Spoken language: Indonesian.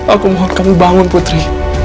aku mohon kamu bangun putri